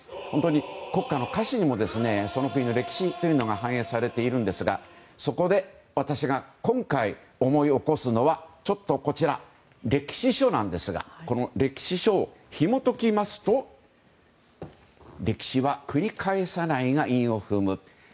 本当に国歌の歌詞にもその国の歴史というのが反映されているんですがそこで私が今回思い起こすのはこちら、歴史書なんですがこの歴史書をひも解きますと歴史は繰り返さないが韻を踏む。